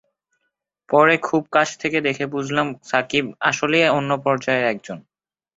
পরে খুব কাছ থেকে দেখে বুঝলাম, সাকিব আসলেই অন্য পর্যায়ের একজন।